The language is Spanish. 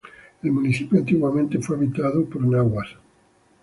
El municipio antiguamente fue habitado por Nahuas.